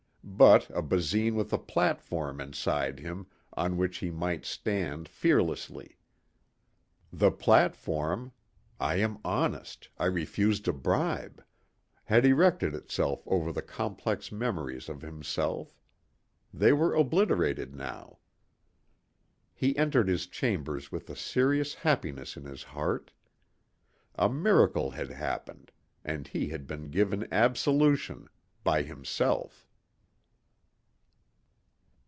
But a Basine with a platform inside him on which he might stand fearlessly. The platform I am honest. I refused a bribe had erected itself over the complex memories of himself. They were obliterated now. He entered his chambers with a serious happiness in his heart. A miracle had happened and he had been given absolution by himself.